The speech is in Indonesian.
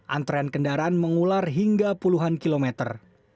antrean kendaraan mengular hingga puluhan kilometer